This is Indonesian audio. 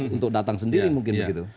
untuk datang sendiri mungkin begitu